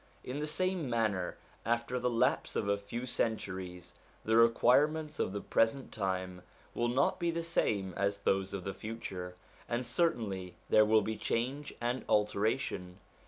In the same manner, after the lapse of a few centuries, the requirements of the present time will not be the same as those of the future, and certainly there will be change and altera tion.